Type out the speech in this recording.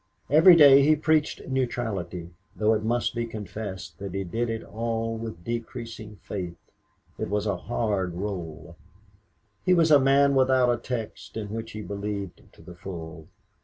Every day he preached neutrality, though it must be confessed that he did it all with decreasing faith. It was a hard rôle. He was a man without a text in which he believed to the full.